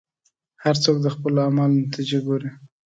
هر څوک د خپلو اعمالو نتیجه ګوري.